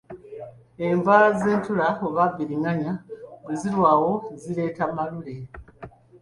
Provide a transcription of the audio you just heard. Enva z’entula oba bbiriŋŋanya bwe zirwawo zireeta Malule.